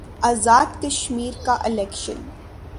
آزاد کشمیر کا الیکشن